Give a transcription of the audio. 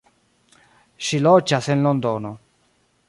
Ŝi loĝas en Londono.